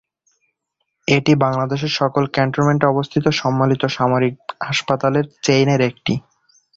এটি বাংলাদেশের সকল ক্যান্টনমেন্টে অবস্থিত সম্মিলিত সামরিক হাসপাতালের চেইনের একটি।